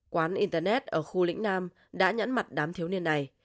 quán internet ở khu lĩnh nam đã nhẫn mặt đám thiếu niên này